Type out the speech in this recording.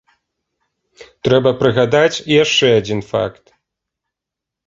Трэба прыгадаць і яшчэ адзін факт.